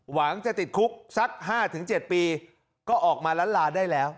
หวังจะติดคุกสัก๕๗ปีก็ออกมาล้านลาได้แล้ว